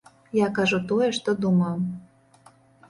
Я кажу тое, што думаю.